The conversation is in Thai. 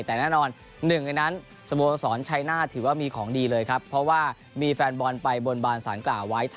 แต่แน่นอนหนึ่งในนั้นสโมสรชัยหน้าถือว่ามีของดีเลยครับเพราะว่ามีแฟนบอลไปบนบานสารกล่าวไว้